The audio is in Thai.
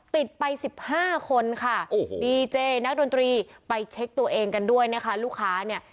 ติดไป๑๕คนค่ะโอ้โหดีเจนักดนตรีไปเช็คตัวเองกันด้วยนะคะลูกค้าเนี่ย